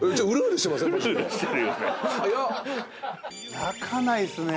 泣かないですね。